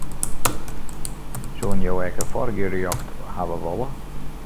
Soenen jo ek in foargerjocht hawwe wolle?